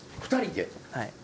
はい。